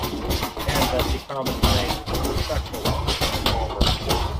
and that the comments made were disrespectful to Cooper and Palmer.